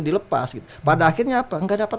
dilepas pada akhirnya apa gak dapat